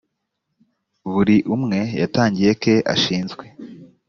buri umwe yatangiye ke ashizwe